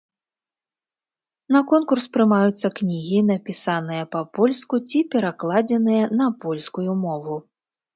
На конкурс прымаюцца кнігі, напісаныя па-польску ці перакладзеныя на польскую мову.